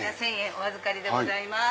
お預かりでございます。